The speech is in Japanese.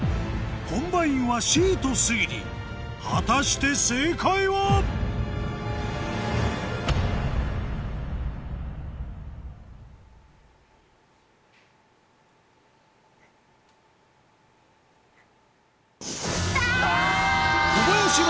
コンバインはＣと推理果たして正解はあぁ！